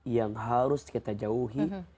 yang harus kita jauhi